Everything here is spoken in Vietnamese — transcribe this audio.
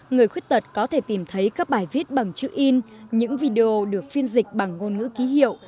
người khuyết tật có thể tìm thấy các bài viết bằng chữ in những video được phiên dịch bằng ngôn ngữ ký hiệu